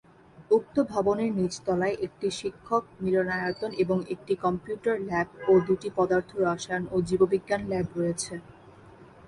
উক্ত ভবনের নিচতলায় একটি শিক্ষক মিলনায়তন এবং একটি কম্পিউটার ল্যাব ও দুটি পদার্থ, রসায়ন ও জীববিজ্ঞান ল্যাব রয়েছে।